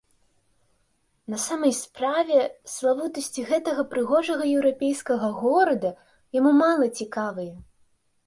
На самай справе, славутасці гэтага прыгожага еўрапейскага горада яму мала цікавыя.